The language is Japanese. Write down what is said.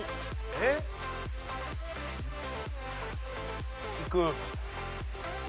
えっ？引く。